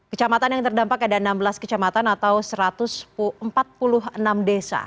kecamatan yang terdampak ada enam belas kecamatan atau satu ratus empat puluh enam desa